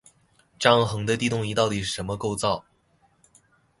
張衡的地動儀到底是什麼構造？